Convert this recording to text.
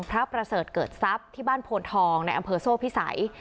ประเสริฐเกิดทรัพย์ที่บ้านโพนทองในอำเภอโซ่พิสัย